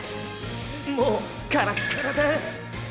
もうカラッカラだッ。